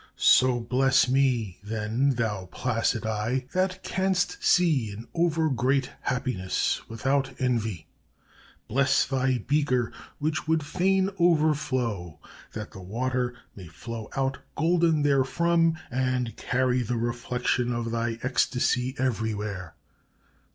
So bless me, then, thou placid eye, that canst see an over great happiness without envy. "'Bless thy beaker, which would fain overflow, that the water may flow out golden therefrom and carry the reflection of thy ecstasy everywhere!